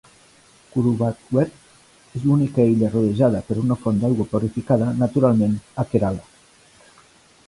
Kuruvadweep és l"única illa rodejada per una font d"aigua purificada naturalment a Kerala.